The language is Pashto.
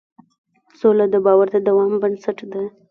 سوله د باور د دوام بنسټ ده.